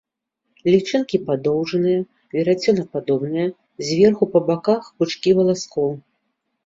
Лічынкі падоўжаныя, верацёнападобныя, зверху па баках пучкі валаскоў.